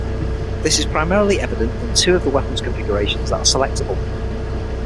This is primarily evident in two of the weapons configurations that are selectable.